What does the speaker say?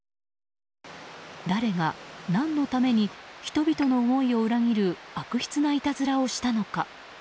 誰が何のために人々の思いを裏切る悪質ないたずらをしたのか。